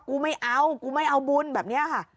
ไม่เอากูไม่เอาบุญแบบนี้ค่ะ